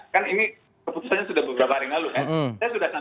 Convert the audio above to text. kan ini keputusannya sudah beberapa hari lalu kan